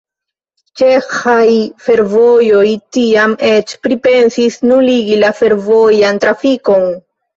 Ĉeĥaj Fervojoj tiam eĉ pripensis nuligi la fervojan trafikon.